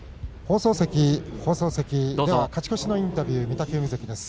勝ち越しのインタビュー御嶽海関です。